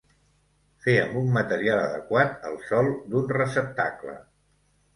Fer amb un material adequat el sòl d'un receptacle.